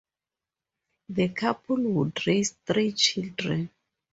The couple would raise three children.